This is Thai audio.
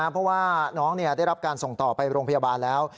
เพราะว่าน้องได้รับการส่งต่อไปโรงพยาบาลแล้ว